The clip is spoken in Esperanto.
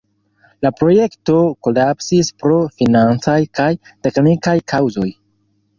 La projekto kolapsis pro financaj kaj teknikaj kaŭzoj.